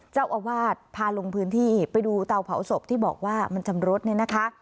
เจ้าอาวาสพาลงพื้นที่ไปดูเตาเผาศพที่บอกว่ามันชำรุดเนี่ยนะคะ